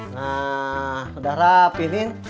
nah udah rapih min